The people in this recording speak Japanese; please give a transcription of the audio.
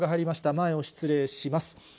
前を失礼します。